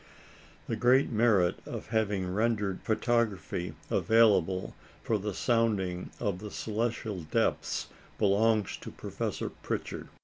The great merit of having rendered photography available for the sounding of the celestial depths belongs to Professor Pritchard.